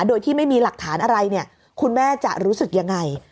โดยที่ไม่มีหลักฐานอะไรเนี่ยคุณแม่จะรู้สึกยังไง